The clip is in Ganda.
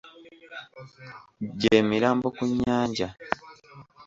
Gye mirambo ku nnyanja.